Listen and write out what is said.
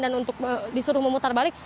dan disuruh memutar balik